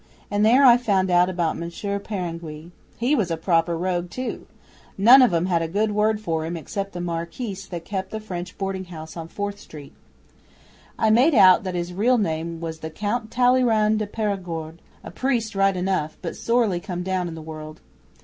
And there I found out about Monsieur Peringuey. He was a proper rogue too! None of 'em had a good word for him except the Marquise that kept the French boarding house on Fourth Street. I made out that his real name was the Count Talleyrand de Perigord a priest right enough, but sorely come down in the world.